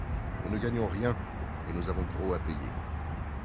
Nous ne gagnons rien et nous avons gros à payer.